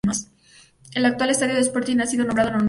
El actual estadio del Sporting ha sido nombrado en su honor.